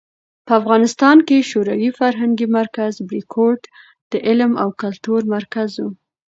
په افغانستان کې شوروي فرهنګي مرکز "بریکوټ" د علم او کلتور مرکز و.